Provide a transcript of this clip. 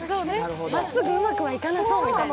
まっすぐうまくはいかなそうみたいな。